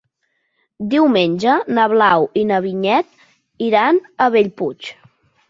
Diumenge na Blau i na Vinyet iran a Bellpuig.